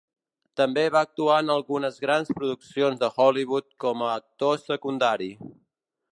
També va actuar en algunes grans produccions de Hollywood com a actor secundari.